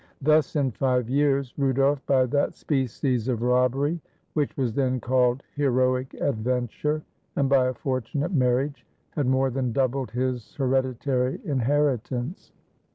Thus in five years Rudolf, by that species of robbery which was then called heroic adventure, and by a fortunate marriage, had more than doubled his hereditary inher itance.